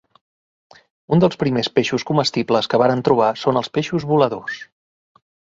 Un dels primers peixos comestibles que varen trobar són els peixos voladors.